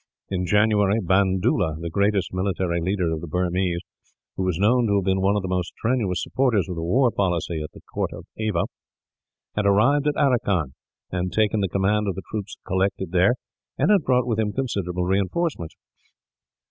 In January, Bandoola, the greatest military leader of the Burmese, who was known to have been one of the most strenuous supporters of the war policy at the court of Ava, had arrived at Aracan and taken the command of the troops collected there, and had brought with him considerable reinforcements.